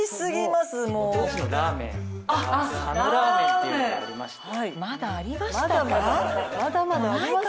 まだありましたか？